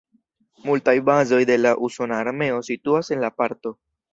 Multaj bazoj de la usona armeo situas en la parto.